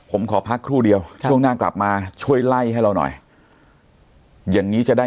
ผมขอพักครู่เดียวช่วงหน้ากลับมาช่วยไล่ให้เราหน่อยอย่างนี้จะได้